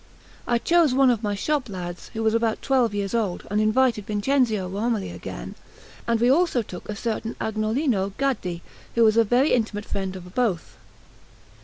I chose one of my shop lads, who was about twelve years old, and invited Vincenzio Romoli again; and we also took a certain Agnolino Gaddi, who was a very intimate friend of both.